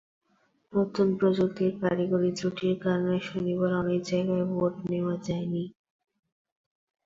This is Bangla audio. নতুন প্রযুক্তির কারিগরি ত্রুটির কারণে শনিবার অনেক জায়গায় ভোট নেওয়া যায়নি।